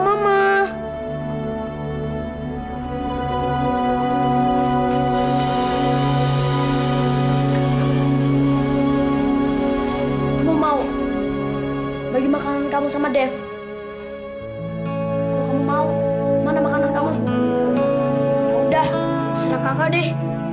mama kamu mau bagi makan kamu sama dev mau makan udah serah kakak deh